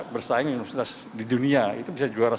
bersaing dengan universitas di dunia itu bisa juara satu